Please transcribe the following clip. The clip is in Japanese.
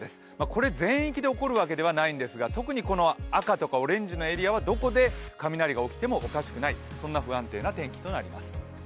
これは全域で起こるわけではないんですが、特に赤とかオレンジのエリアはどこで雷が起きてもおかしくない、そんな不安定な天気となります。